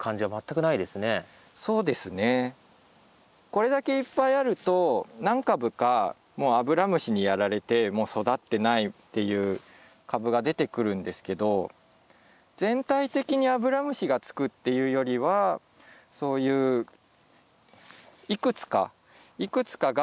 これだけいっぱいあると何株かもうアブラムシにやられてもう育ってないっていう株が出てくるんですけど全体的にアブラムシがつくっていうよりはそういういくつかいくつかが集中的に狙われてるっていう感じですね。